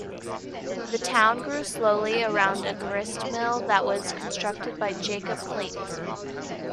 The town grew slowly around a gristmill that was constructed by Jacob Clayton.